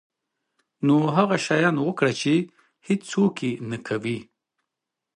نو هغه شیان وکړه چې هیڅوک یې نه کوي.